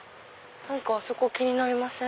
あそこ気になりません？